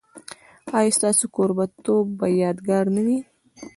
ایا ستاسو کوربه توب به یادګار نه وي؟